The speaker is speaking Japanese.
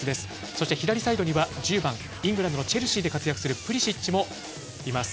そして左サイドには１０番イングランドのチェルシーで活躍するプリシッチもいます。